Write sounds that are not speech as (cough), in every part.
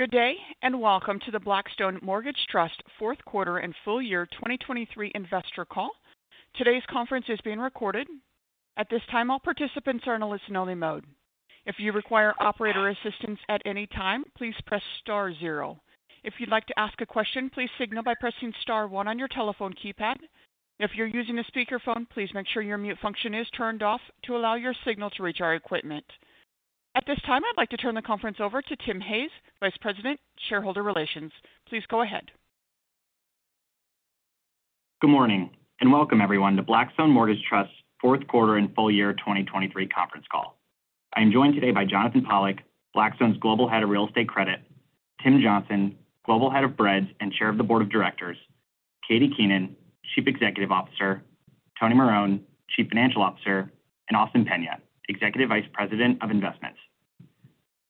Good day and welcome to the Blackstone Mortgage Trust fourth quarter and full year 2023 investor call. Today's conference is being recorded. At this time, all participants are in a listen-only mode. If you require operator assistance at any time, please press star zero. If you'd like to ask a question, please signal by pressing star one on your telephone keypad. If you're using a speakerphone, please make sure your mute function is turned off to allow your signal to reach our equipment. At this time, I'd like to turn the conference over to Tim Hayes, Vice President, Shareholder Relations. Please go ahead. Good morning and welcome, everyone, to Blackstone Mortgage Trust fourth quarter and full year 2023 conference call. I am joined today by Jonathan Pollack, Blackstone's Global Head of Real Estate Credit; Tim Johnson, Global Head of BREDS and Chair of the Board of Directors; Katie Keenan, Chief Executive Officer; Tony Marone, Chief Financial Officer; and Austin Peña, Executive Vice President of Investments.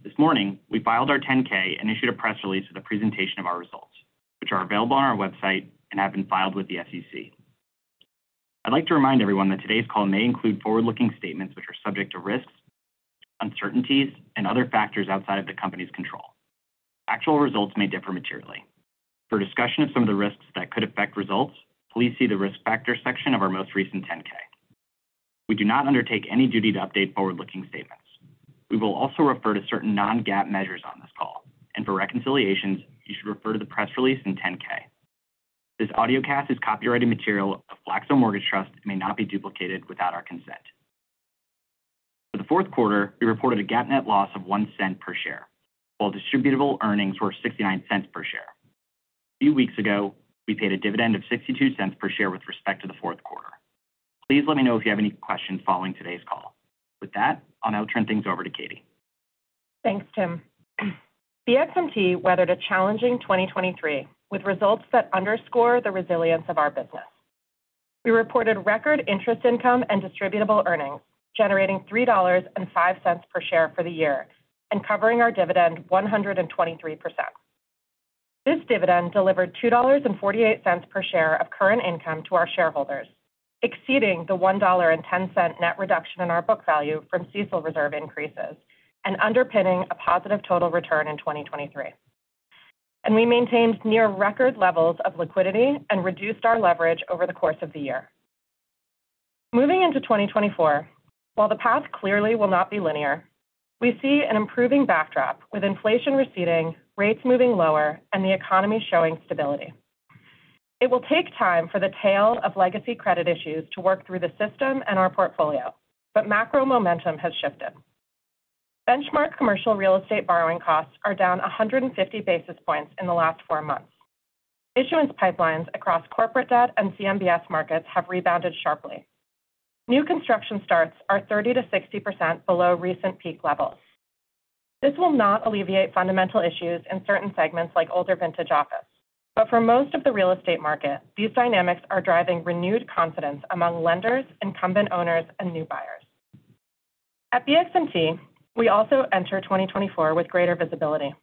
This morning, we filed our 10-K and issued a press release with a presentation of our results, which are available on our website and have been filed with the SEC. I'd like to remind everyone that today's call may include forward-looking statements which are subject to risks, uncertainties, and other factors outside of the company's control. Actual results may differ materially. For discussion of some of the risks that could affect results, please see the risk factors section of our most recent 10-K. We do not undertake any duty to update forward-looking statements. We will also refer to certain Non-GAAP measures on this call, and for reconciliations, you should refer to the press release and 10-K. This audiocast is copyrighted material of Blackstone Mortgage Trust and may not be duplicated without our consent. For the fourth quarter, we reported a GAAP net loss of $0.01 per share, while distributable earnings were $0.69 per share. A few weeks ago, we paid a dividend of $0.62 per share with respect to the fourth quarter. Please let me know if you have any questions following today's call. With that, I'll now turn things over to Katie. Thanks, Tim. BXMT weathered a challenging 2023 with results that underscore the resilience of our business. We reported record interest income and distributable earnings, generating $3.05 per share for the year and covering our dividend 123%. This dividend delivered $2.48 per share of current income to our shareholders, exceeding the $1.10 net reduction in our book value from CECL reserve increases and underpinning a positive total return in 2023. We maintained near-record levels of liquidity and reduced our leverage over the course of the year. Moving into 2024, while the path clearly will not be linear, we see an improving backdrop with inflation receding, rates moving lower, and the economy showing stability. It will take time for the tail of legacy credit issues to work through the system and our portfolio, but macro momentum has shifted. Benchmark commercial real estate borrowing costs are down 150 basis points in the last four months. Issuance pipelines across corporate debt and CMBS markets have rebounded sharply. New construction starts are 30% to 60% below recent peak levels. This will not alleviate fundamental issues in certain segments like older vintage office, but for most of the real estate market, these dynamics are driving renewed confidence among lenders, incumbent owners, and new buyers. At the BXMT, we also enter 2024 with greater visibility.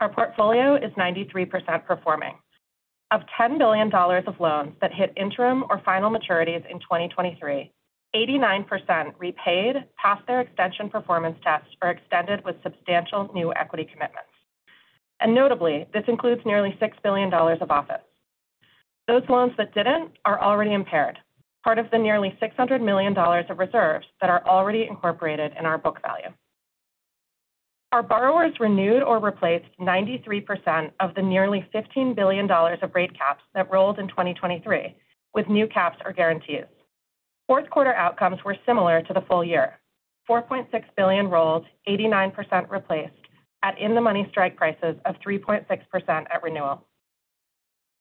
Our portfolio is 93% performing. Of $10 billion of loans that hit interim or final maturities in 2023, 89% repaid, passed their extension performance test, or extended with substantial new equity commitments. And notably, this includes nearly $6 billion of office. Those loans that didn't are already impaired, part of the nearly $600 million of reserves that are already incorporated in our book value. Our borrowers renewed or replaced 93% of the nearly $15 billion of rate caps that rolled in 2023 with new caps or guarantees. Fourth quarter outcomes were similar to the full year: $4.6 billion rolled, 89% replaced, at in-the-money strike prices of 3.6% at renewal.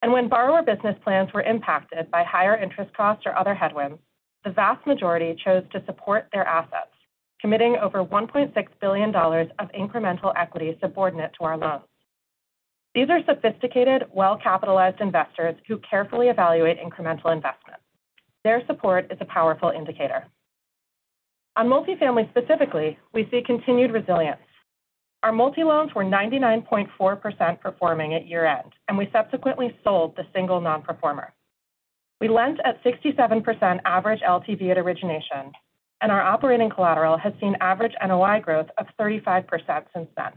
When borrower business plans were impacted by higher interest costs or other headwinds, the vast majority chose to support their assets, committing over $1.6 billion of incremental equity subordinate to our loans. These are sophisticated, well-capitalized investors who carefully evaluate incremental investment. Their support is a powerful indicator. On multifamily specifically, we see continued resilience. Our multi-loans were 99.4% performing at year-end, and we subsequently sold the single non-performer. We lent at 67% average LTV at origination, and our operating collateral has seen average NOI growth of 35% since then.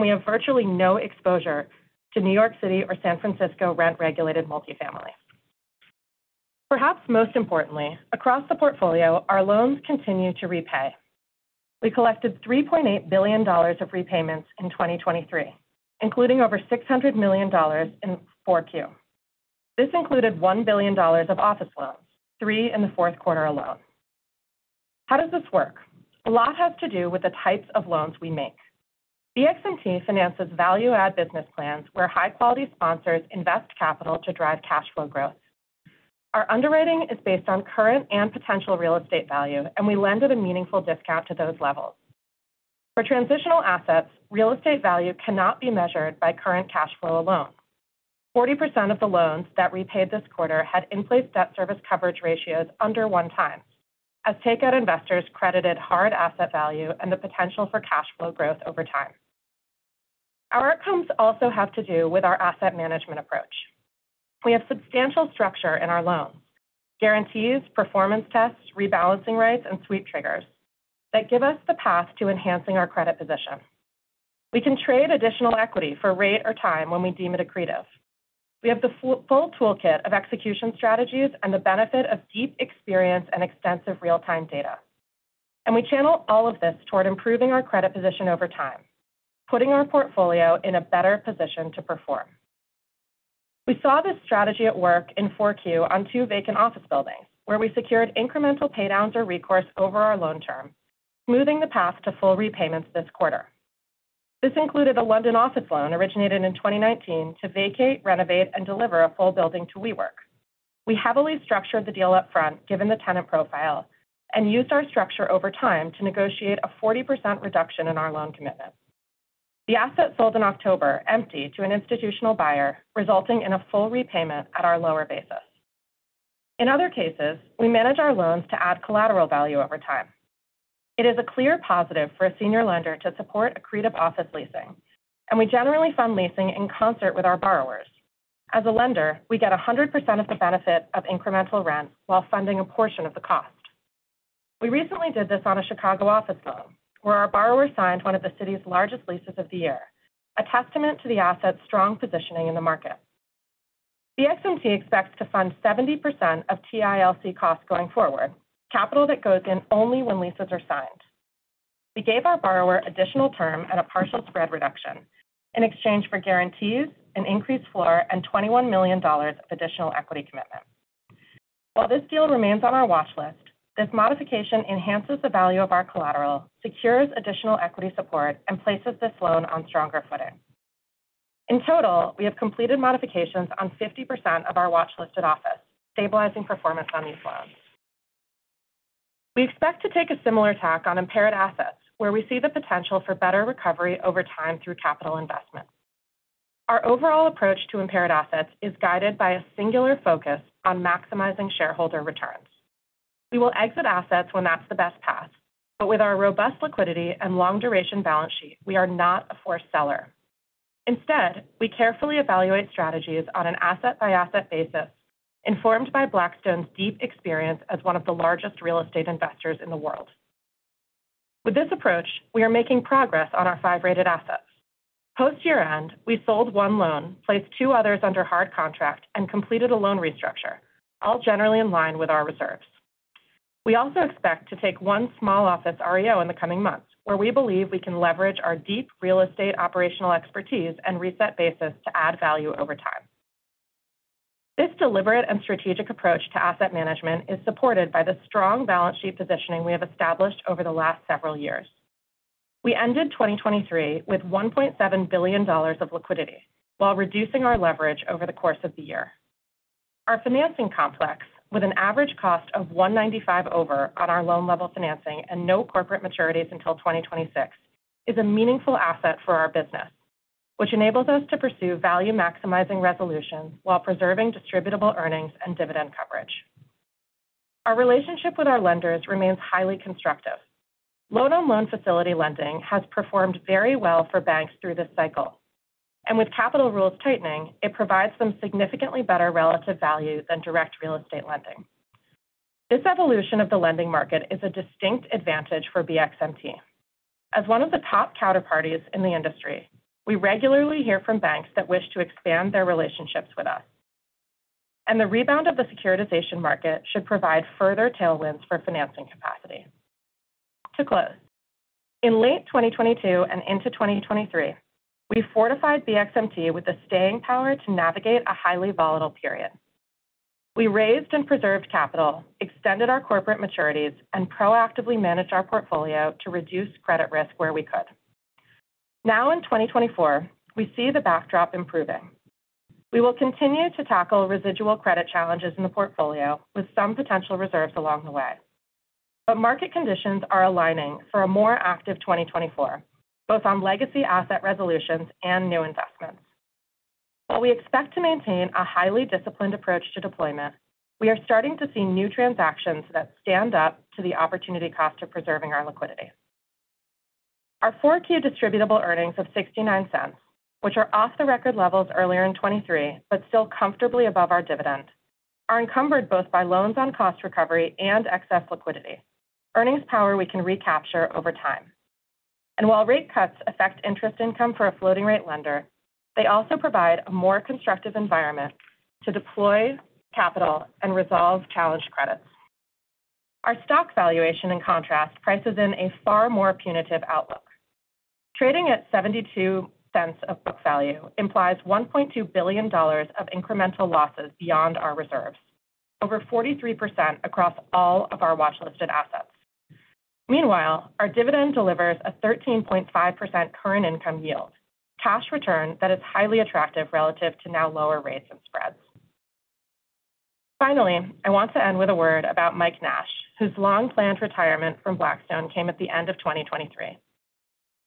We have virtually no exposure to New York City or San Francisco rent-regulated multifamilies. Perhaps most importantly, across the portfolio, our loans continue to repay. We collected $3.8 billion of repayments in 2023, including over $600 million in 4Q. This included $1 billion of office loans, three in the fourth quarter alone. How does this work? A lot has to do with the types of loans we make. The BXMT finances value-add business plans where high-quality sponsors invest capital to drive cash flow growth. Our underwriting is based on current and potential real estate value, and we lend at a meaningful discount to those levels. For transitional assets, real estate value cannot be measured by current cash flow alone. 40% of the loans that repaid this quarter had in-place debt service coverage ratios under 1x, as takeout investors credited hard asset value and the potential for cash flow growth over time. Our outcomes also have to do with our asset management approach. We have substantial structure in our loans: guarantees, performance tests, rebalancing rights, and sweep triggers that give us the path to enhancing our credit position. We can trade additional equity for rate or time when we deem it accretive. We have the full toolkit of execution strategies and the benefit of deep experience and extensive real-time data. And we channel all of this toward improving our credit position over time, putting our portfolio in a better position to perform. We saw this strategy at work in 4Q on two vacant office buildings, where we secured incremental paydowns or recourse over our loan term, smoothing the path to full repayments this quarter. This included a London office loan originated in 2019 to vacate, renovate, and deliver a full building to WeWork. We heavily structured the deal upfront, given the tenant profile, and used our structure over time to negotiate a 40% reduction in our loan commitment. The asset sold in October empty to an institutional buyer, resulting in a full repayment at our lower basis. In other cases, we manage our loans to add collateral value over time. It is a clear positive for a senior lender to support accretive office leasing, and we generally fund leasing in concert with our borrowers. As a lender, we get 100% of the benefit of incremental rent while funding a portion of the cost. We recently did this on a Chicago office loan, where our borrower signed one of the city's largest leases of the year, a testament to the asset's strong positioning in the market. BXMT expects to fund 70% of TILC costs going forward, capital that goes in only when leases are signed. We gave our borrower additional term and a partial spread reduction in exchange for guarantees, an increased floor, and $21 million of additional equity commitment. While this deal remains on our watchlist, this modification enhances the value of our collateral, secures additional equity support, and places this loan on stronger footing. In total, we have completed modifications on 50% of our watchlisted office, stabilizing performance on these loans. We expect to take a similar tack on impaired assets, where we see the potential for better recovery over time through capital investment. Our overall approach to impaired assets is guided by a singular focus on maximizing shareholder returns. We will exit assets when that's the best path, but with our robust liquidity and long-duration balance sheet, we are not a forced seller. Instead, we carefully evaluate strategies on an asset-by-asset basis, informed by Blackstone's deep experience as one of the largest real estate investors in the world. With this approach, we are making progress on our five-rated assets. Post year-end, we sold one loan, placed two others under hard contract, and completed a loan restructure, all generally in line with our reserves. We also expect to take one small office REO in the coming months, where we believe we can leverage our deep real estate operational expertise and reset basis to add value over time. This deliberate and strategic approach to asset management is supported by the strong balance sheet positioning we have established over the last several years. We ended 2023 with $1.7 billion of liquidity while reducing our leverage over the course of the year. Our financing complex, with an average cost of $195 over on our loan-level financing and no corporate maturities until 2026, is a meaningful asset for our business, which enables us to pursue value-maximizing resolutions while preserving distributable earnings and dividend coverage. Our relationship with our lenders remains highly constructive. Loan-on-Loan Facility lending has performed very well for banks through this cycle, and with capital rules tightening, it provides them significantly better relative value than direct real estate lending. This evolution of the lending market is a distinct advantage for BXMT. As one of the top counterparties in the industry, we regularly hear from banks that wish to expand their relationships with us, and the rebound of the securitization market should provide further tailwinds for financing capacity. To close, in late 2022 and into 2023, we fortified BXMT with the staying power to navigate a highly volatile period. We raised and preserved capital, extended our corporate maturities, and proactively managed our portfolio to reduce credit risk where we could. Now in 2024, we see the backdrop improving. We will continue to tackle residual credit challenges in the portfolio with some potential reserves along the way, but market conditions are aligning for a more active 2024, both on legacy asset resolutions and new investments. While we expect to maintain a highly disciplined approach to deployment, we are starting to see new transactions that stand up to the opportunity cost of preserving our liquidity. Our 4Q distributable earnings of $0.69, which are off the record levels earlier in 2023 but still comfortably above our dividend, are encumbered both by loans-on-cost recovery and excess liquidity, earnings power we can recapture over time. And while rate cuts affect interest income for a floating-rate lender, they also provide a more constructive environment to deploy capital and resolve challenged credits. Our stock valuation, in contrast, prices in a far more punitive outlook. Trading at $0.72 of book value implies $1.2 billion of incremental losses beyond our reserves, over 43% across all of our watchlisted assets. Meanwhile, our dividend delivers a 13.5% current income yield, cash return that is highly attractive relative to now lower rates and spreads. Finally, I want to end with a word about Mike Nash, whose long-planned retirement from Blackstone came at the end of 2023.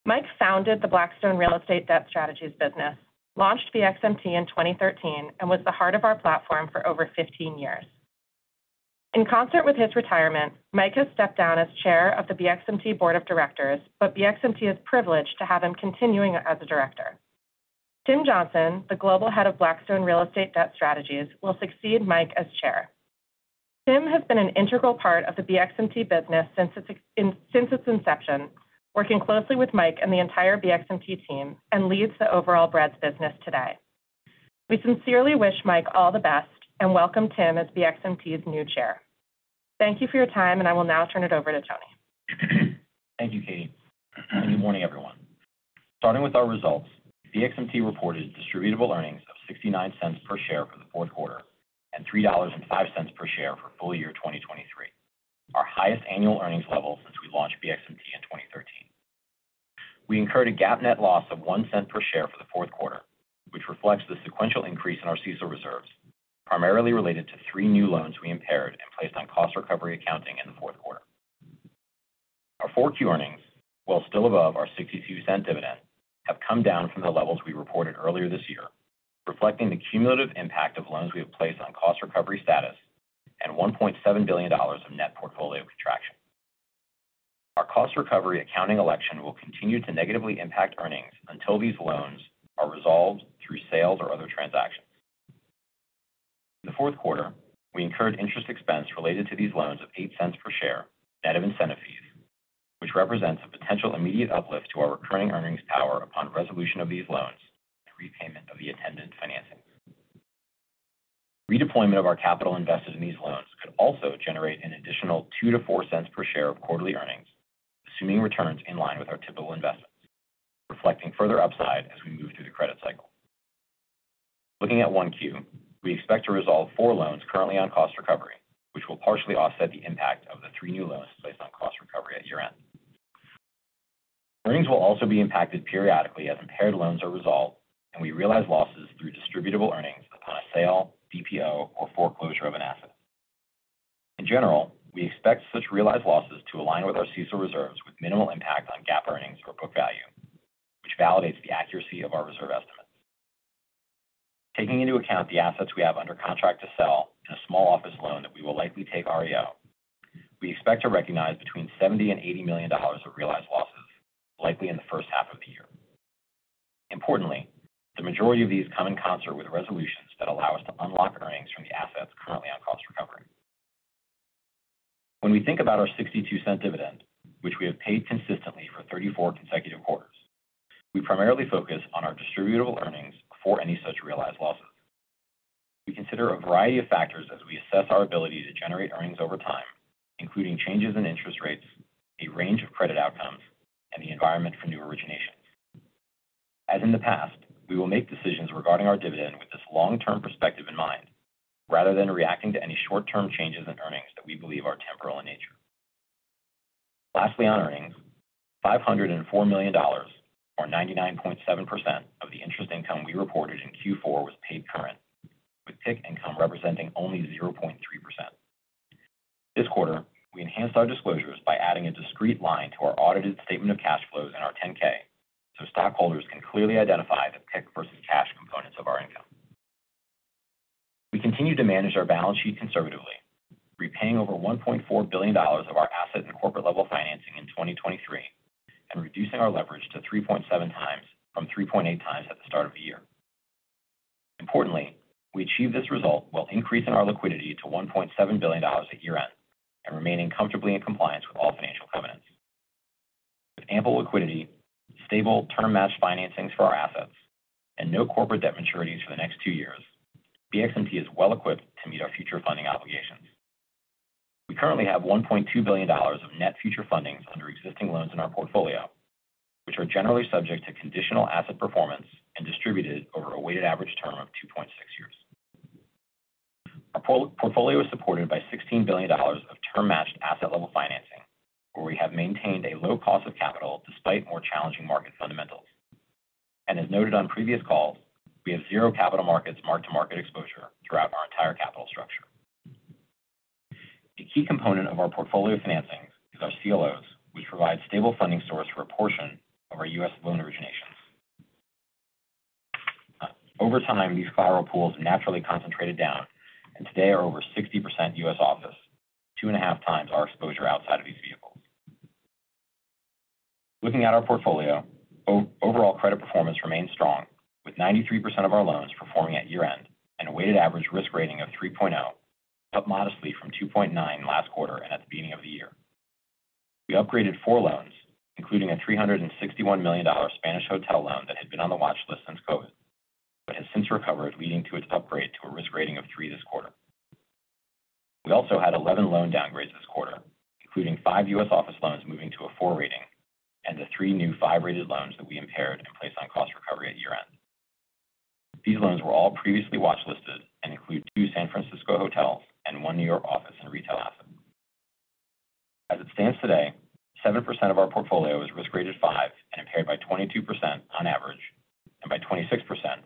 Mike founded the Blackstone Real Estate Debt Strategies business, launched BXMT in 2013, and was the heart of our platform for over 15 years. In concert with his retirement, Mike has stepped down as chair of the BXMT board of directors, but BXMT is privileged to have him continuing as a director. Tim Johnson, the global head of Blackstone Real Estate Debt Strategies, will succeed Mike as chair. Tim has been an integral part of the BXMT business since its inception, working closely with Mike and the entire BXMT team and leads the overall BREDS business today. We sincerely wish Mike all the best and welcome Tim as BXMT's new Chair. Thank you for your time, and I will now turn it over to Tony. Thank you, Katie. And good morning, everyone. Starting with our results, BXMT reported distributable earnings of $0.69 per share for the fourth quarter and $3.05 per share for full year 2023, our highest annual earnings level since we launched BXMT in 2013. We incurred a GAAP net loss of $0.01 per share for the fourth quarter, which reflects the sequential increase in our CECL reserves, primarily related to three new loans we impaired and placed on cost recovery accounting in the fourth quarter. Our 4Q earnings, while still above our $0.62 dividend, have come down from the levels we reported earlier this year, reflecting the cumulative impact of loans we have placed on cost recovery status and $1.7 billion of net portfolio contraction. Our cost recovery accounting election will continue to negatively impact earnings until these loans are resolved through sales or other transactions. In the fourth quarter, we incurred interest expense related to these loans of $0.08 per share net of incentive fees, which represents a potential immediate uplift to our recurring earnings power upon resolution of these loans and repayment of the attendant financing. Redeployment of our capital invested in these loans could also generate an additional $0.02 to $0.04 per share of quarterly earnings, assuming returns in line with our typical investments, reflecting further upside as we move through the credit cycle. Looking at 1Q, we expect to resolve four loans currently on cost recovery, which will partially offset the impact of the three new loans placed on cost recovery at year-end. Earnings will also be impacted periodically as impaired loans are resolved, and we realize losses through distributable earnings upon a sale, DPO, or foreclosure of an asset. In general, we expect such realized losses to align with our CECL reserves with minimal impact on GAAP earnings or book value, which validates the accuracy of our reserve estimates. Taking into account the assets we have under contract to sell and a small office loan that we will likely take REO, we expect to recognize between $70-$80 million of realized losses, likely in the first half of the year. Importantly, the majority of these come in concert with resolutions that allow us to unlock earnings from the assets currently on cost recovery. When we think about our $0.62 dividend, which we have paid consistently for 34 consecutive quarters, we primarily focus on our distributable earnings before any such realized losses. We consider a variety of factors as we assess our ability to generate earnings over time, including changes in interest rates, a range of credit outcomes, and the environment for new originations. As in the past, we will make decisions regarding our dividend with this long-term perspective in mind rather than reacting to any short-term changes in earnings that we believe are temporal in nature. Lastly, on earnings, $504 million, or 99.7% of the interest income we reported in Q4 was paid current, with PIK income representing only 0.3%. This quarter, we enhanced our disclosures by adding a discrete line to our audited statement of cash flows in our 10-K so stockholders can clearly identify the PIK versus cash components of our income. We continue to manage our balance sheet conservatively, repaying over $1.4 billion of our asset and corporate-level financing in 2023 and reducing our leverage to 3.7x from 3.8x at the start of the year. Importantly, we achieve this result while increasing our liquidity to $1.7 billion at year-end and remaining comfortably in compliance with all financial covenants. With ample liquidity, stable term-matched financings for our assets, and no corporate debt maturities for the next two years, BXMT is well-equipped to meet our future funding obligations. We currently have $1.2 billion of net future fundings under existing loans in our portfolio, which are generally subject to conditional asset performance and distributed over a weighted average term of 2.6 years. Our portfolio is supported by $16 billion of term-matched asset-level financing, where we have maintained a low cost of capital despite more challenging market fundamentals. As noted on previous calls, we have zero capital markets mark-to-market exposure throughout our entire capital structure. A key component of our portfolio financings is our CLOs, which provide stable funding sources for a portion of our U.S. loan originations. Over time, these collateral pools naturally concentrated down, and today are over 60% U.S. office, 2.5 times our exposure outside of these vehicles. Looking at our portfolio, overall credit performance remains strong, with 93% of our loans performing at year-end and a weighted average risk rating of three point zero, up modestly from 2.9 last quarter and at the beginning of the year. We upgraded four loans, including a $361 million Spanish hotel loan that had been on the watchlist since COVID but has since recovered, leading to its upgrade to a risk rating of three this quarter. We also had 11 loan downgrades this quarter, including five U.S. office loans moving to a four rating and the three new five-rated loans that we impaired and placed on cost recovery at year-end. These loans were all previously watchlisted and include two San Francisco hotels and one New York office and retail asset. As it stands today, 7% of our portfolio is risk-rated five and impaired by 22% on average and by 26%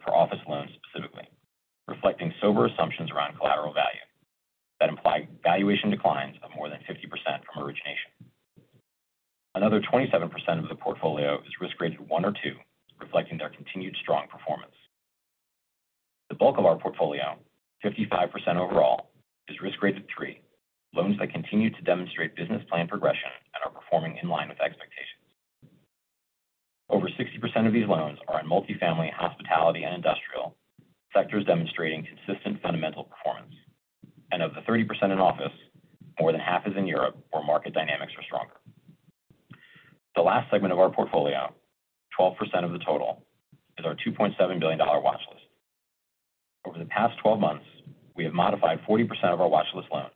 for office loans specifically, reflecting sober assumptions around collateral value that imply valuation declines of more than 50% from origination. Another 27% of the portfolio is risk-rated one or two, reflecting their continued strong performance. The bulk of our portfolio, 55% overall, is risk-rated three, loans that continue to demonstrate business plan progression and are performing in line with expectations. Over 60% of these loans are in multifamily, hospitality, and industrial sectors demonstrating consistent fundamental performance, and of the 30% in office, more than half is in Europe where market dynamics are stronger. The last segment of our portfolio, 12% of the total, is our $2.7 billion watchlist. Over the past 12 months, we have modified 40% of our watchlist loans,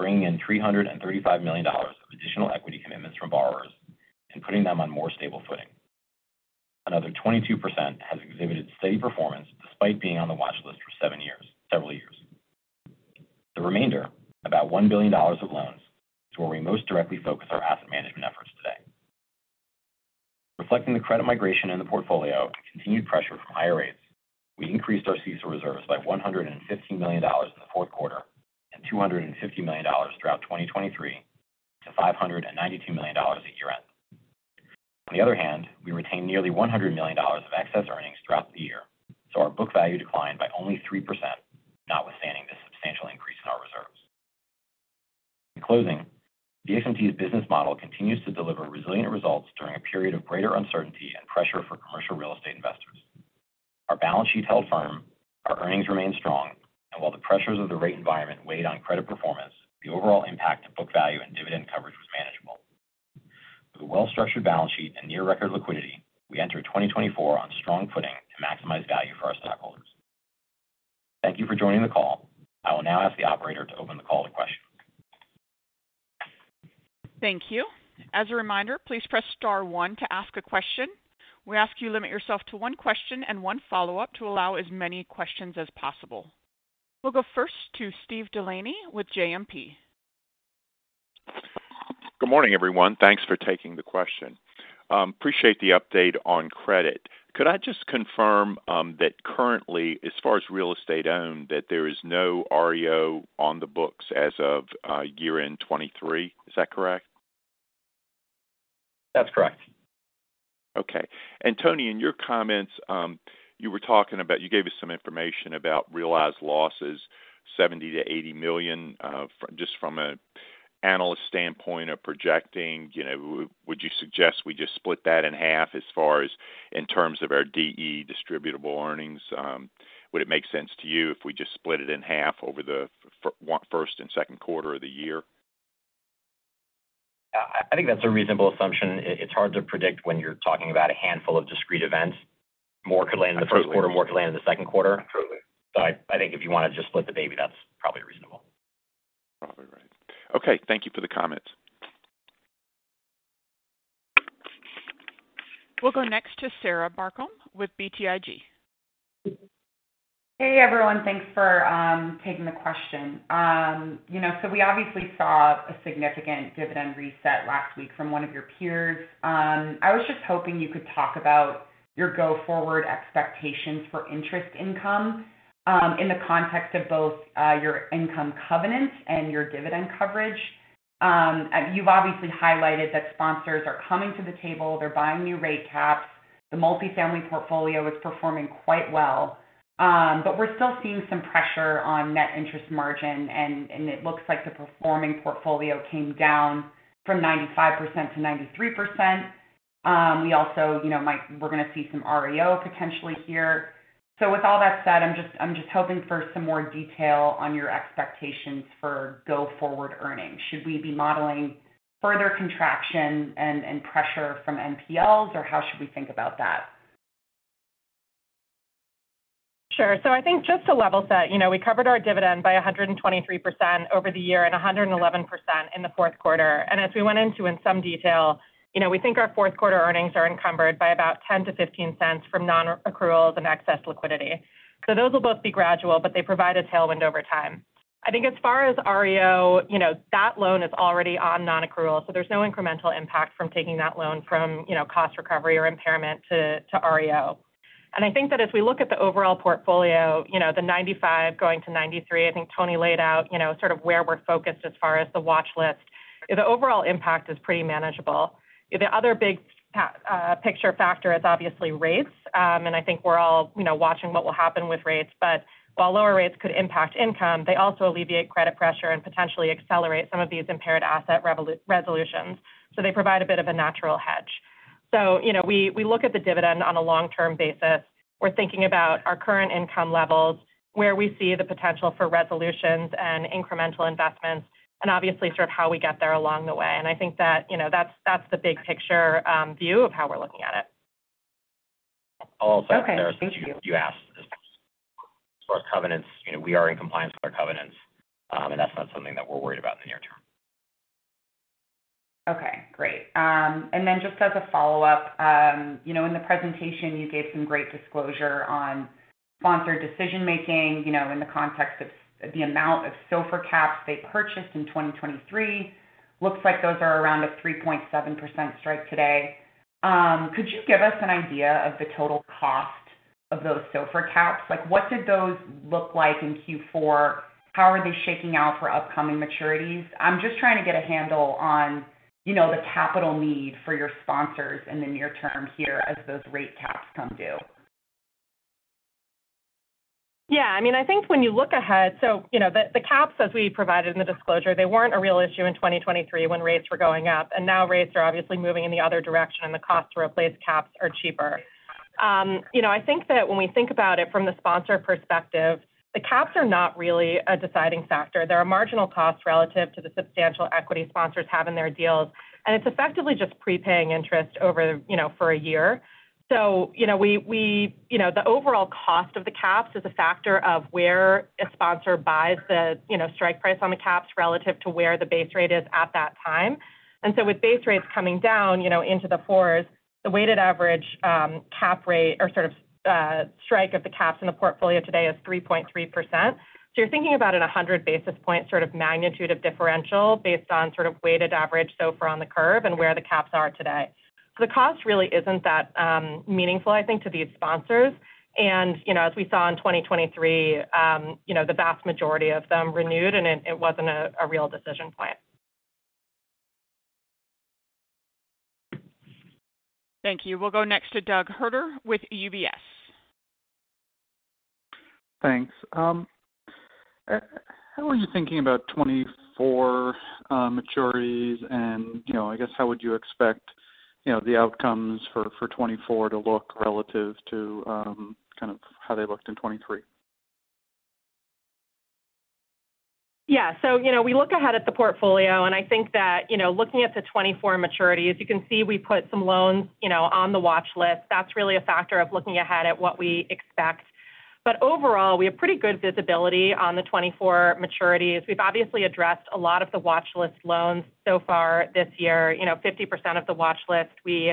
bringing in $335 million of additional equity commitments from borrowers and putting them on more stable footing. Another 22% has exhibited steady performance despite being on the watchlist for several years. The remainder, about $1 billion of loans, is where we most directly focus our asset management efforts today. Reflecting the credit migration in the portfolio and continued pressure from higher rates, we increased our CECL reserves by $115 million in the fourth quarter and $250 million throughout 2023 to $592 million at year-end. On the other hand, we retained nearly $100 million of excess earnings throughout the year, so our book value declined by only 3%, notwithstanding this substantial increase in our reserves. In closing, BXMT's business model continues to deliver resilient results during a period of greater uncertainty and pressure for commercial real estate investors. Our balance sheet held firm, our earnings remained strong, and while the pressures of the rate environment weighed on credit performance, the overall impact to book value and dividend coverage was manageable. With a well-structured balance sheet and near-record liquidity, we enter 2024 on strong footing to maximize value for our stockholders. Thank you for joining the call. I will now ask the operator to open the call to questions. Thank you. As a reminder, please press star one to ask a question. We ask you to limit yourself to one question and one follow-up to allow as many questions as possible. We'll go first to Steven Delaney with JMP. Good morning, everyone. Thanks for taking the question. Appreciate the update on credit. Could I just confirm that currently, as far as real estate owned, that there is no REO on the books as of year-end 2023? Is that correct? That's correct. Okay. And Tony, in your comments, you were talking about you gave us some information about realized losses, $70 million to $80 million, just from an analyst standpoint of projecting. Would you suggest we just split that in half as far as in terms of our DE, distributable earnings? Would it make sense to you if we just split it in half over the first and second quarter of the year? I think that's a reasonable assumption. It's hard to predict when you're talking about a handful of discrete events. More could land in the first quarter. More could land in the second quarter. So I think if you want to just split the baby, that's probably reasonable. Probably right. Okay. Thank you for the comments. We'll go next to Sarah Barcomb with BTIG. Hey, everyone. Thanks for taking the question. So we obviously saw a significant dividend reset last week from one of your peers. I was just hoping you could talk about your go-forward expectations for interest income in the context of both your income covenants and your dividend coverage. You've obviously highlighted that sponsors are coming to the table. They're buying new rate caps. The multifamily portfolio is performing quite well. But we're still seeing some pressure on net interest margin, and it looks like the performing portfolio came down from 95% to 93%. We're going to see some REO potentially here. So with all that said, I'm just hoping for some more detail on your expectations for go-forward earnings. Should we be modeling further contraction and pressure from NPLs, or how should we think about that? Sure. So I think just to level set, we covered our dividend by 123% over the year and 111% in the fourth quarter. And as we went into in some detail, we think our fourth quarter earnings are encumbered by about $0.10 to $0.15 from non-accruals and excess liquidity. So those will both be gradual, but they provide a tailwind over time. I think as far as REO, that loan is already on non-accrual, so there's no incremental impact from taking that loan from cost recovery or impairment to REO. And I think that as we look at the overall portfolio, the 95 going to 93, I think Tony laid out sort of where we're focused as far as the watchlist. The overall impact is pretty manageable. The other big picture factor is obviously rates. And I think we're all watching what will happen with rates. While lower rates could impact income, they also alleviate credit pressure and potentially accelerate some of these impaired asset resolutions. They provide a bit of a natural hedge. We look at the dividend on a long-term basis. We're thinking about our current income levels, where we see the potential for resolutions and incremental investments, and obviously sort of how we get there along the way. I think that that's the big picture view of how we're looking at it. I'll also (crosstalk) add, Sarah, since you asked, as far as covenants, we are in compliance with our covenants, and that's not something that we're worried about in the near term. Okay. Great. And then just as a follow-up, in the presentation, you gave some great disclosure on sponsored decision-making in the context of the amount of SOFR caps they purchased in 2023. Looks like those are around a 3.7% strike today. Could you give us an idea of the total cost of those SOFR caps? What did those look like in Q4? How are they shaking out for upcoming maturities? I'm just trying to get a handle on the capital need for your sponsors in the near term here as those rate caps come due. Yeah. I mean, I think when you look ahead so the caps, as we provided in the disclosure, they weren't a real issue in 2023 when rates were going up. And now rates are obviously moving in the other direction, and the cost to replace caps are cheaper. I think that when we think about it from the sponsor perspective, the caps are not really a deciding factor. They're a marginal cost relative to the substantial equity sponsors have in their deals. And it's effectively just prepaying interest for a year. So the overall cost of the caps is a factor of where a sponsor buys the strike price on the caps relative to where the base rate is at that time. And so with base rates coming down into the fours, the weighted average cap rate or sort of strike of the caps in the portfolio today is 3.3%. thinking about a 100 basis points sort of magnitude of differential based on sort of weighted average SOFR on the curve and where the caps are today. So the cost really isn't that meaningful, I think, to these sponsors. And as we saw in 2023, the vast majority of them renewed, and it wasn't a real decision point. Thank you. We'll go next to James Hider with UBS. Thanks. How are you thinking about 2024 maturities? And I guess how would you expect the outcomes for 2024 to look relative to kind of how they looked in 2023? Yeah. So we look ahead at the portfolio, and I think that looking at the 2024 maturities, you can see we put some loans on the watchlist. That's really a factor of looking ahead at what we expect. But overall, we have pretty good visibility on the 2024 maturities. We've obviously addressed a lot of the watchlist loans so far this year. 50% of the watchlist, we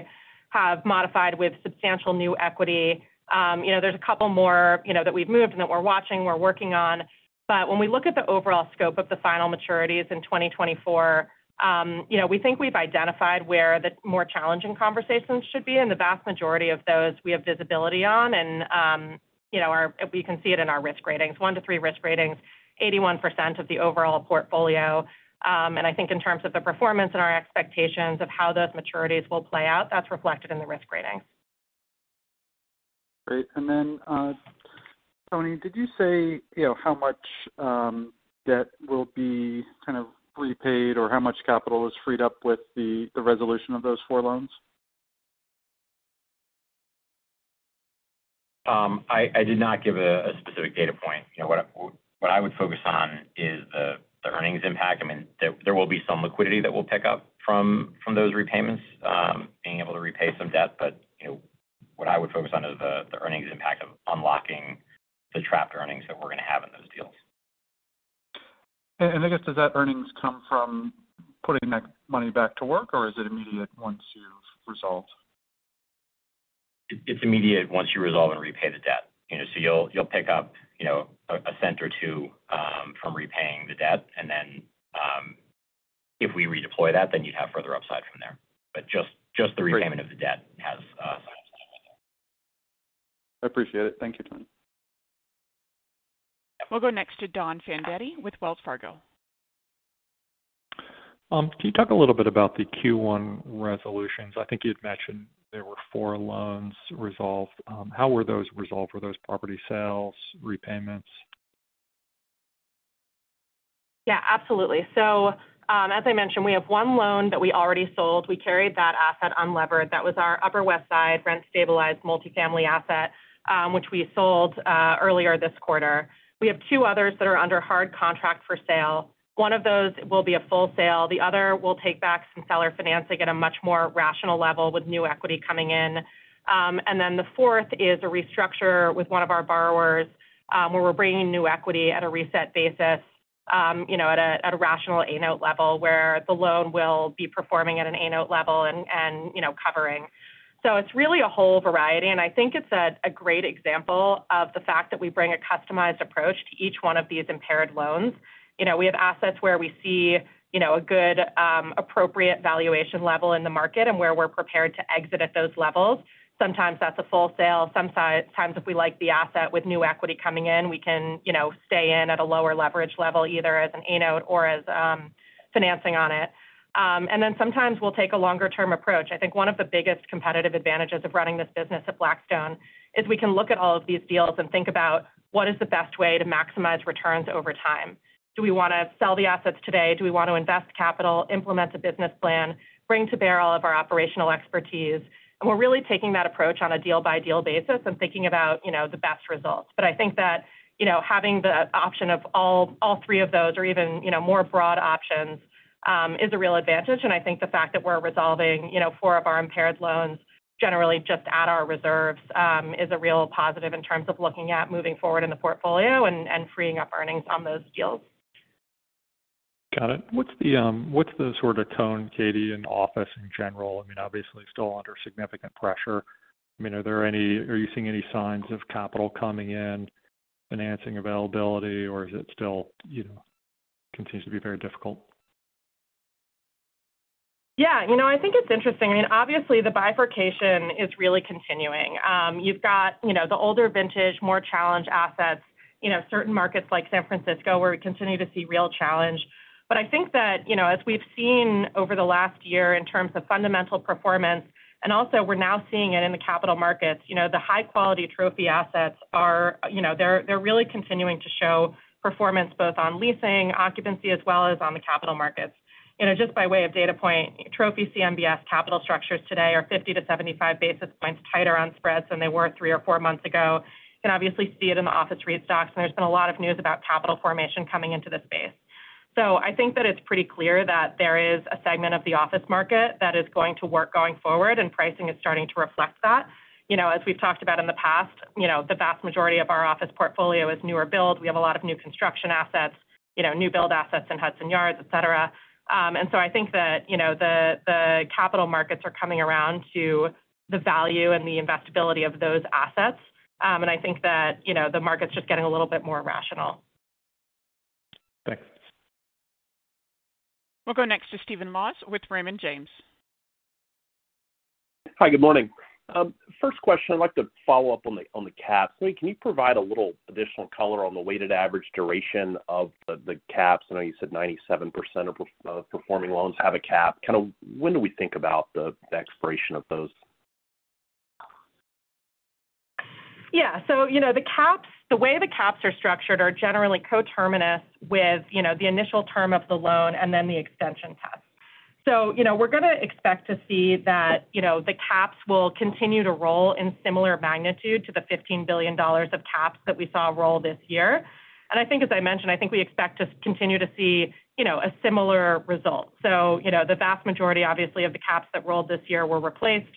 have modified with substantial new equity. There's a couple more that we've moved and that we're watching. We're working on. But when we look at the overall scope of the final maturities in 2024, we think we've identified where the more challenging conversations should be. And the vast majority of those, we have visibility on. And we can see it in our risk ratings, one to three risk ratings, 81% of the overall portfolio. I think in terms of the performance and our expectations of how those maturities will play out, that's reflected in the risk ratings. Great. And then, Tony, did you say how much debt will be kind of repaid or how much capital is freed up with the resolution of those four loans? I did not give a specific data point. What I would focus on is the earnings impact. I mean, there will be some liquidity that we'll pick up from those repayments, being able to repay some debt. But what I would focus on is the earnings impact of unlocking the trapped earnings that we're going to have in those deals. I guess, does that earnings come from putting that money back to work, or is it immediate once you've resolved? It's immediate once you resolve and repay the debt. So you'll pick up $0.01 or $0.02 from repaying the debt. And then if we redeploy that, then you'd have further upside from there. But just the repayment of the debt has some upside right there. I appreciate it. Thank you, Tony. We'll go next to Don Fandetti with Wells Fargo. Can you talk a little bit about the Q1 resolutions? I think you had mentioned there were four loans resolved. How were those resolved? Were those property sales, repayments? Yeah, absolutely. So as I mentioned, we have one loan that we already sold. We carried that asset unlevered. That was our Upper West Side rent-stabilized multifamily asset, which we sold earlier this quarter. We have two others that are under hard contract for sale. One of those will be a full sale. The other will take back some seller financing at a much more rational level with new equity coming in. And then the fourth is a restructure with one of our borrowers where we're bringing new equity at a reset basis, at a rational A-note level where the loan will be performing at an A-note level and covering. So it's really a whole variety. And I think it's a great example of the fact that we bring a customized approach to each one of these impaired loans. We have assets where we see a good, appropriate valuation level in the market and where we're prepared to exit at those levels. Sometimes that's a full sale. Sometimes, if we like the asset with new equity coming in, we can stay in at a lower leverage level, either as an A-note or as financing on it. And then sometimes we'll take a longer-term approach. I think one of the biggest competitive advantages of running this business at Blackstone is we can look at all of these deals and think about what is the best way to maximize returns over time. Do we want to sell the assets today? Do we want to invest capital, implement a business plan, bring to bear all of our operational expertise? And we're really taking that approach on a deal-by-deal basis and thinking about the best results. But I think that having the option of all three of those or even more broad options is a real advantage. And I think the fact that we're resolving four of our impaired loans generally just at our reserves is a real positive in terms of looking at moving forward in the portfolio and freeing up earnings on those deals. Got it. What's the sort of tone, Katie, in office in general? I mean, obviously, still under significant pressure. I mean, are you seeing any signs of capital coming in, financing availability, or is it still continues to be very difficult? Yeah. I think it's interesting. I mean, obviously, the bifurcation is really continuing. You've got the older vintage, more challenged assets, certain markets like San Francisco where we continue to see real challenge. But I think that as we've seen over the last year in terms of fundamental performance, and also we're now seeing it in the capital markets, the high-quality trophy assets, they're really continuing to show performance both on leasing, occupancy, as well as on the capital markets. Just by way of data point, trophy CMBS capital structures today are 50-75 basis points tighter on spreads than they were three or four months ago. You can obviously see it in the office REIT stocks. And there's been a lot of news about capital formation coming into the space. I think that it's pretty clear that there is a segment of the office market that is going to work going forward, and pricing is starting to reflect that. As we've talked about in the past, the vast majority of our office portfolio is newer build. We have a lot of new construction assets, new build assets in Hudson Yards, etc. I think that the capital markets are coming around to the value and the investability of those assets. I think that the market's just getting a little bit more rational. Thanks. We'll go next to Stephen Laws with Raymond James. Hi. Good morning. First question, I'd like to follow up on the caps. Tony, can you provide a little additional color on the weighted average duration of the caps? I know you said 97% of performing loans have a cap. Kind of when do we think about the expiration of those? Yeah. So the way the caps are structured are generally coterminous with the initial term of the loan and then the extension test. So we're going to expect to see that the caps will continue to roll in similar magnitude to the $15 billion of caps that we saw roll this year. And I think, as I mentioned, I think we expect to continue to see a similar result. So the vast majority, obviously, of the caps that rolled this year were replaced.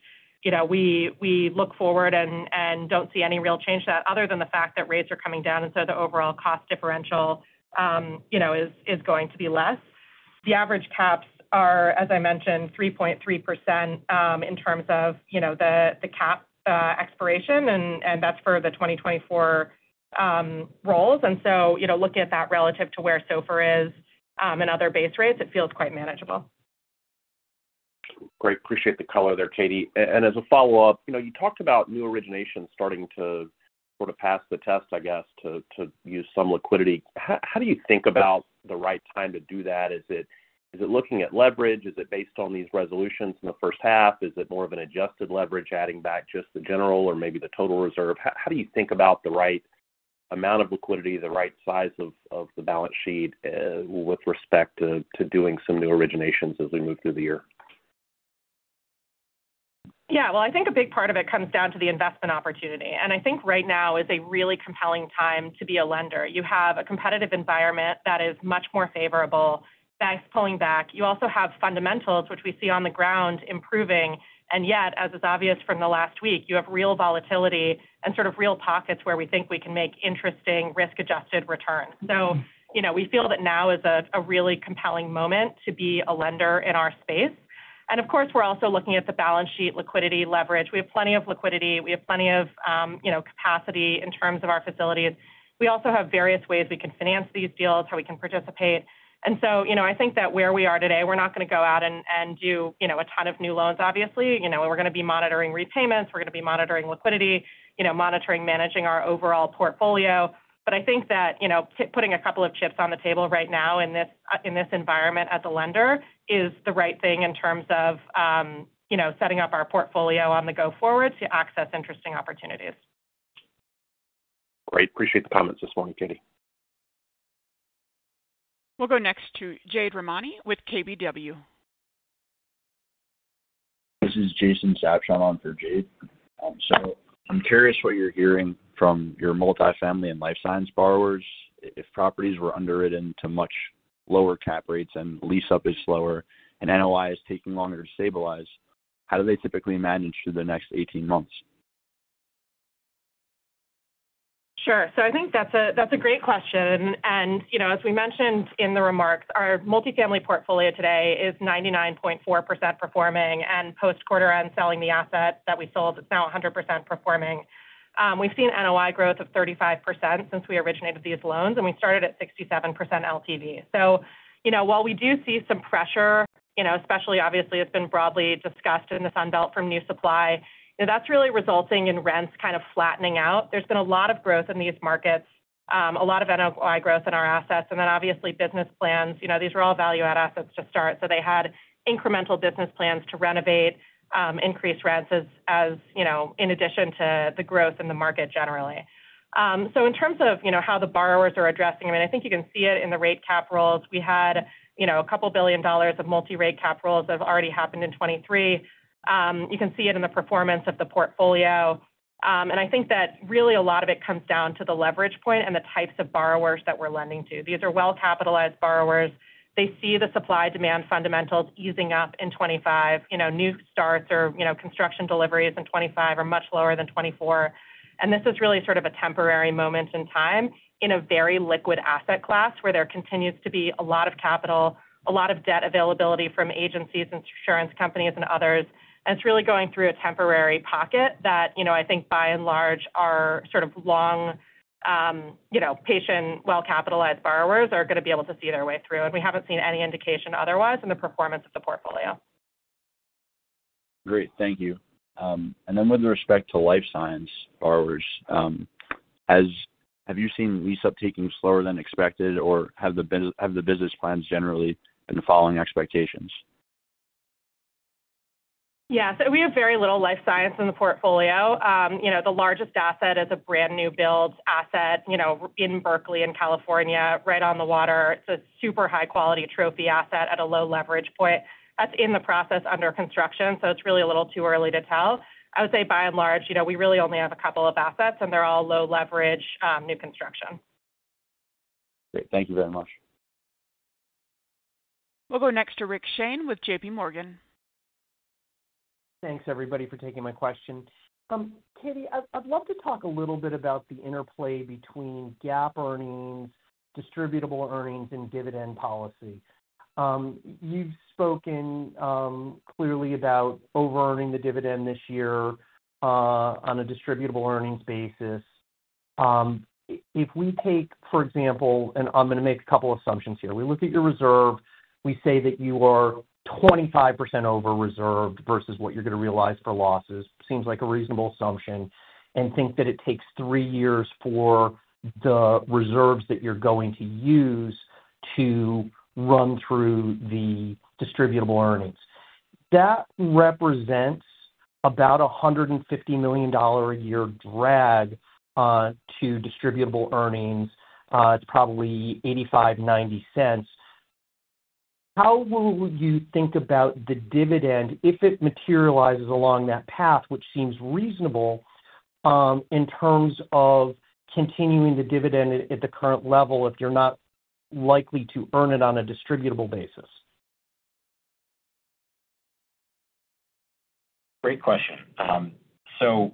We look forward and don't see any real change to that other than the fact that rates are coming down, and so the overall cost differential is going to be less. The average caps are, as I mentioned, 3.3% in terms of the cap expiration, and that's for the 2024 rolls. Looking at that relative to where SOFR is and other base rates, it feels quite manageable. Great. Appreciate the color there, Katie. As a follow-up, you talked about new origination starting to sort of pass the test, I guess, to use some liquidity. How do you think about the right time to do that? Is it looking at leverage? Is it based on these resolutions in the first half? Is it more of an adjusted leverage adding back just the general or maybe the total reserve? How do you think about the right amount of liquidity, the right size of the balance sheet with respect to doing some new originations as we move through the year? Yeah. Well, I think a big part of it comes down to the investment opportunity. And I think right now is a really compelling time to be a lender. You have a competitive environment that is much more favorable, banks pulling back. You also have fundamentals, which we see on the ground improving. And yet, as is obvious from the last week, you have real volatility and sort of real pockets where we think we can make interesting risk-adjusted returns. So we feel that now is a really compelling moment to be a lender in our space. And of course, we're also looking at the balance sheet liquidity leverage. We have plenty of liquidity. We have plenty of capacity in terms of our facilities. We also have various ways we can finance these deals, how we can participate. I think that where we are today, we're not going to go out and do a ton of new loans, obviously. We're going to be monitoring repayments. We're going to be monitoring liquidity, monitoring, managing our overall portfolio. I think that putting a couple of chips on the table right now in this environment as a lender is the right thing in terms of setting up our portfolio on the go forward to access interesting opportunities. Great. Appreciate the comments this morning, Katie. We'll go next to Jade Rahmani with KBW. This is Jason Sabshon for Jade. So I'm curious what you're hearing from your multifamily and life science borrowers. If properties were underwritten to much lower cap rates and lease-up is slower and NOI is taking longer to stabilize, how do they typically manage through the next 18 months? Sure. So I think that's a great question. As we mentioned in the remarks, our multifamily portfolio today is 99.4% performing. Post-quarter end selling the asset that we sold, it's now 100% performing. We've seen NOI growth of 35% since we originated these loans, and we started at 67% LTV. So while we do see some pressure, especially, obviously, it's been broadly discussed in the Sunbelt from new supply, that's really resulting in rents kind of flattening out. There's been a lot of growth in these markets, a lot of NOI growth in our assets, and then obviously, business plans. These were all value-add assets to start. So they had incremental business plans to renovate, increase rents in addition to the growth in the market generally. So in terms of how the borrowers are addressing, I mean, I think you can see it in the rate cap rolls. We had $2 billion of multi-rate cap rolls that have already happened in 2023. You can see it in the performance of the portfolio. I think that really a lot of it comes down to the leverage point and the types of borrowers that we're lending to. These are well-capitalized borrowers. They see the supply-demand fundamentals easing up in 2025. New starts or construction deliveries in 2025 are much lower than 2024. This is really sort of a temporary moment in time in a very liquid asset class where there continues to be a lot of capital, a lot of debt availability from agencies and insurance companies and others. It's really going through a temporary pocket that I think, by and large, our sort of long-patient, well-capitalized borrowers are going to be able to see their way through. We haven't seen any indication otherwise in the performance of the portfolio. Great. Thank you. And then with respect to life science borrowers, have you seen lease-up taking slower than expected, or have the business plans generally been following expectations? Yeah. So we have very little life science in the portfolio. The largest asset is a brand new build asset in Berkeley in California, right on the water. It's a super high-quality trophy asset at a low leverage point. That's in the process under construction. So it's really a little too early to tell. I would say, by and large, we really only have a couple of assets, and they're all low-leverage new construction. Great. Thank you very much. We'll go next to Rick Shane with JPMorgan. Thanks, everybody, for taking my question. Katie, I'd love to talk a little bit about the interplay between GAAP earnings, distributable earnings, and dividend policy. You've spoken clearly about over-earning the dividend this year on a distributable earnings basis. If we take, for example, and I'm going to make a couple of assumptions here. We look at your reserve. We say that you are 25% over-reserved versus what you're going to realize for losses. Seems like a reasonable assumption. And think that it takes three years for the reserves that you're going to use to run through the distributable earnings. That represents about a $150 million a year drag to distributable earnings. It's probably $0.85-$0.90. How will you think about the dividend if it materializes along that path, which seems reasonable, in terms of continuing the dividend at the current level if you're not likely to earn it on a distributable basis? Great question. So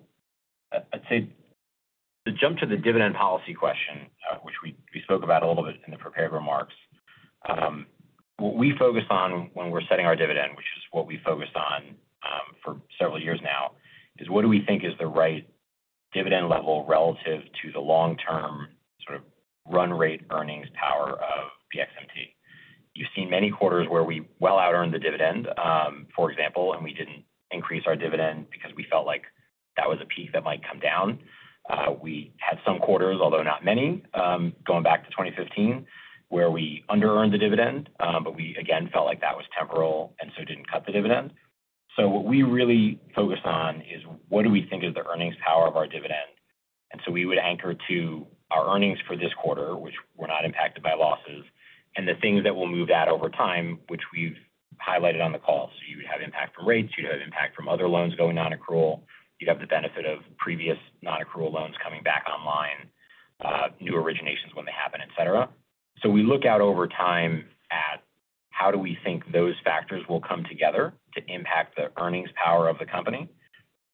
I'd say to jump to the dividend policy question, which we spoke about a little bit in the prepared remarks, what we focus on when we're setting our dividend, which is what we focus on for several years now, is what do we think is the right dividend level relative to the long-term sort of run-rate earnings power of the BXMT? You've seen many quarters where we well out-earned the dividend, for example, and we didn't increase our dividend because we felt like that was a peak that might come down. We had some quarters, although not many, going back to 2015, where we under-earned the dividend, but we, again, felt like that was temporal and so didn't cut the dividend. So what we really focus on is what do we think is the earnings power of our dividend? And so we would anchor to our earnings for this quarter, which were not impacted by losses, and the things that will move that over time, which we've highlighted on the call. So you would have impact from rates. You'd have impact from other loans going non-accrual. You'd have the benefit of previous non-accrual loans coming back online, new originations when they happen, etc. So we look out over time at how do we think those factors will come together to impact the earnings power of the company?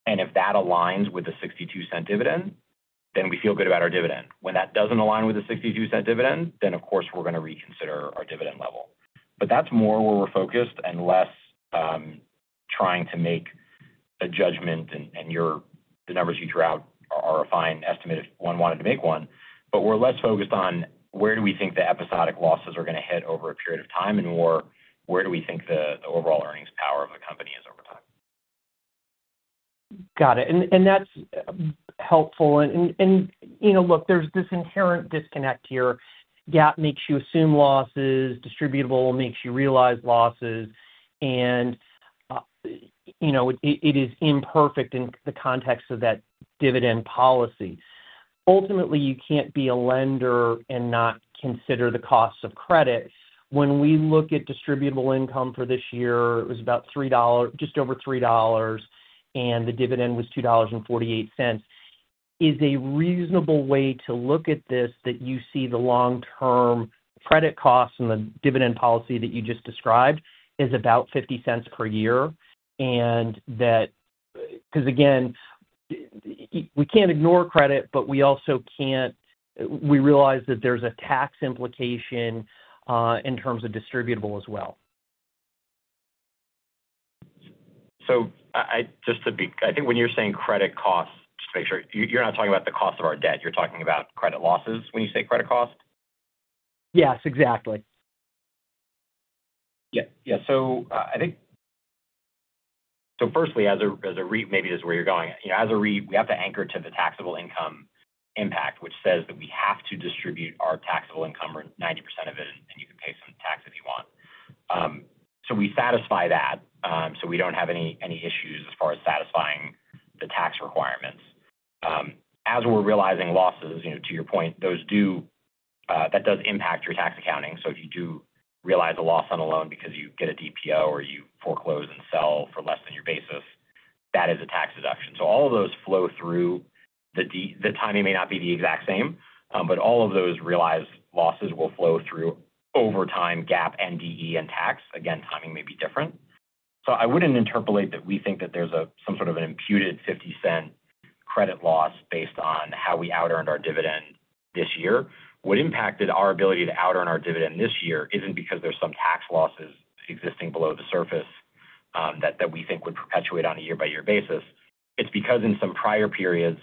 And if that aligns with the $0.62 dividend, then we feel good about our dividend. When that doesn't align with the $0.62 dividend, then, of course, we're going to reconsider our dividend level. But that's more where we're focused and less trying to make a judgment, and the numbers you throw out are a fine estimate if one wanted to make one. We're less focused on where do we think the episodic losses are going to hit over a period of time and more where do we think the overall earnings power of the company is over time? Got it. And that's helpful. And look, there's this inherent disconnect here. GAAP makes you assume losses. Distributable makes you realize losses. And it is imperfect in the context of that dividend policy. Ultimately, you can't be a lender and not consider the costs of credit. When we look at distributable income for this year, it was just over $3, and the dividend was $2.48. Is a reasonable way to look at this that you see the long-term credit costs and the dividend policy that you just described is about $0.50 per year? Because again, we can't ignore credit, but we also can't, we realize that there's a tax implication in terms of distributable as well. So, just to be, I think, when you're saying credit costs, just to make sure, you're not talking about the cost of our debt. You're talking about credit losses when you say credit cost? Yes, exactly. Yeah. Yeah. Firstly, as a REIT, maybe this is where you're going, as a REIT, we have to anchor to the taxable income impact, which says that we have to distribute our taxable income, or 90% of it, and you can pay some tax if you want. We satisfy that. We don't have any issues as far as satisfying the tax requirements. As we're realizing losses, to your point, that does impact your tax accounting. If you do realize a loss on a loan because you get a DPO or you foreclose and sell for less than your basis, that is a tax deduction. All of those flow through. The timing may not be the exact same, but all of those realized losses will flow through over time, GAAP and tax. Again, timing may be different. So I wouldn't interpolate that we think that there's some sort of an imputed $0.50 credit loss based on how we out-earned our dividend this year. What impacted our ability to out-earn our dividend this year isn't because there's some tax losses existing below the surface that we think would perpetuate on a year-by-year basis. It's because in some prior periods,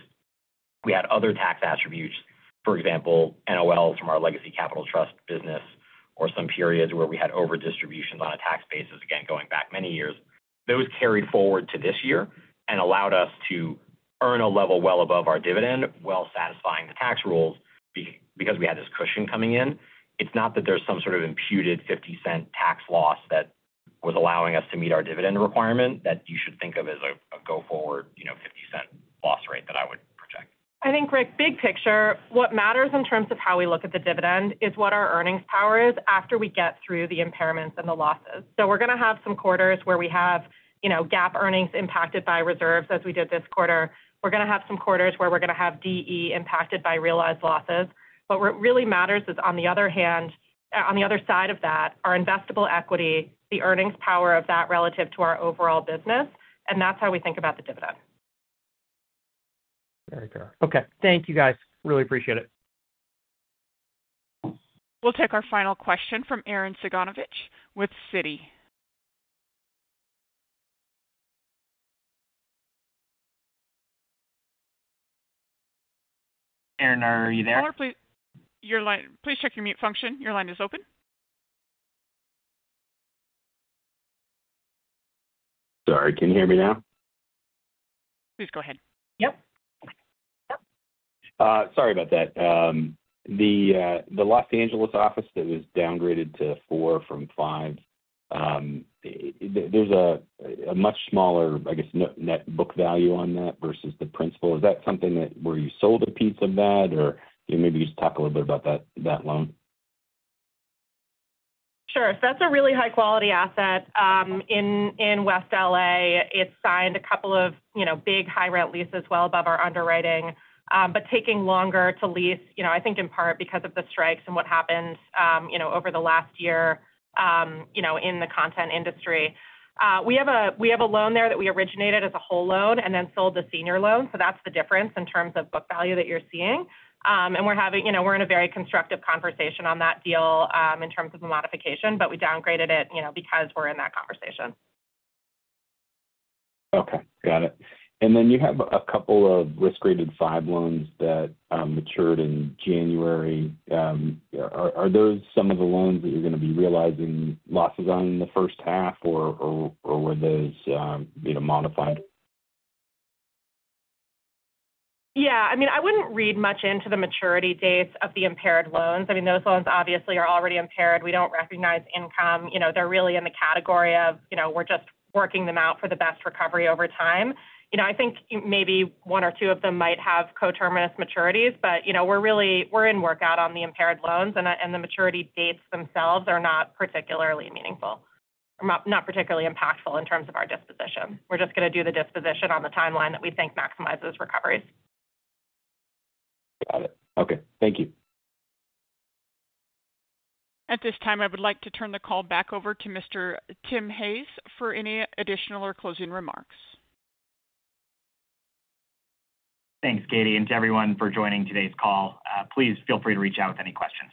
we had other tax attributes, for example, NOLs from our legacy Capital Trust business or some periods where we had over-distributions on a tax basis, again, going back many years. Those carried forward to this year and allowed us to earn a level well above our dividend, well satisfying the tax rules because we had this cushion coming in. It's not that there's some sort of imputed $0.50 tax loss that was allowing us to meet our dividend requirement that you should think of as a go-forward $0.50 loss rate that I would project. I think, Rick, big picture, what matters in terms of how we look at the dividend is what our earnings power is after we get through the impairments and the losses. So we're going to have some quarters where we have GAAP earnings impacted by reserves as we did this quarter. We're going to have some quarters where we're going to have DE impacted by realized losses. What really matters is, on the other hand, on the other side of that, our investable equity, the earnings power of that relative to our overall business. That's how we think about the dividend. Very fair. Okay. Thank you, guys. Really appreciate it. We'll take our final question from Arren Cyganovich with Citi. Aaron, are you there? Hello, please. Please check your mute function. Your line is open. Sorry. Can you hear me now? Please go ahead. Yep. Yep. Sorry about that. The Los Angeles office that was downgraded to four from five, there's a much smaller, I guess, net book value on that versus the principal. Is that something where you sold a piece of that, or maybe you just talk a little bit about that loan? Sure. So that's a really high-quality asset. In West LA, it's signed a couple of big high-rent leases well above our underwriting. But taking longer to lease, I think in part because of the strikes and what happened over the last year in the content industry. We have a loan there that we originated as a whole loan and then sold the senior loan. So that's the difference in terms of book value that you're seeing. And we're in a very constructive conversation on that deal in terms of a modification, but we downgraded it because we're in that conversation. Okay. Got it. And then you have a couple of Risk-Rated five loans that matured in January. Are those some of the loans that you're going to be realizing losses on in the first half, or were those modified? Yeah. I mean, I wouldn't read much into the maturity dates of the impaired loans. I mean, those loans obviously are already impaired. We don't recognize income. They're really in the category of we're just working them out for the best recovery over time. I think maybe one or two of them might have coterminous maturities, but we're in workout on the impaired loans, and the maturity dates themselves are not particularly meaningful or not particularly impactful in terms of our disposition. We're just going to do the disposition on the timeline that we think maximizes recoveries. Got it. Okay. Thank you. At this time, I would like to turn the call back over to Mr. Tim Hayes for any additional or closing remarks. Thanks, Katie, and to everyone for joining today's call. Please feel free to reach out with any questions.